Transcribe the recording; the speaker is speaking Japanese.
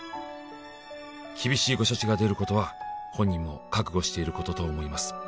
「厳しいご処置が出ることは本人も覚悟していることと思います」